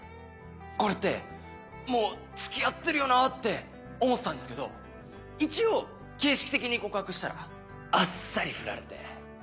これってもう付き合ってるよなって思ってたんですけど一応形式的に告白したらあっさりフラれて。